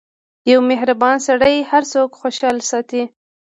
• یو مهربان سړی هر څوک خوشحال ساتي.